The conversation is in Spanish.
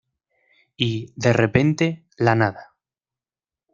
y, de repente, la nada